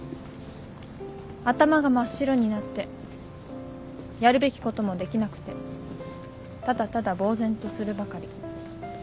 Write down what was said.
頭が真っ白になってやるべきこともできなくてただただぼう然とするばかり。